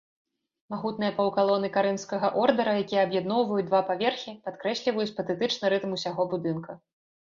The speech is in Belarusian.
Магутныя паўкалоны карынфскага ордара, якія аб'ядноўваюць два паверхі, падкрэсліваюць патэтычны рытм усяго будынка.